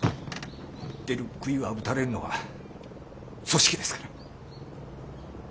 出る杭は打たれるのが組織ですから。